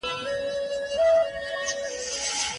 د سولي پیغامونه د نړۍ هر ګوټ ته رسیږي.